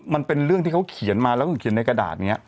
มันเป็นเรื่องที่เขาเขียนมาแล้วก็เขียนในกระดาษนี้